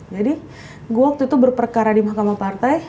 jadi gue waktu itu berperkara di mahkamah partai